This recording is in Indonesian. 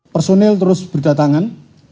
personil terus berdatangan